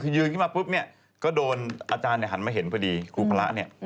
คือยืนขึ้นมาก็โดนอาจารย์หันมาเห็นพอดีครูพระ